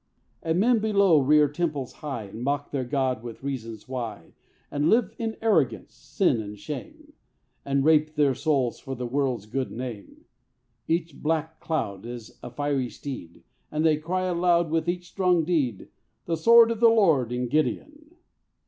And men below rear temples high And mock their God with reasons why, And live in arrogance, sin and shame, And rape their souls for the world's good name. Each black cloud Is a fiery steed. And they cry aloud With each strong deed, "The sword of the Lord and Gideon."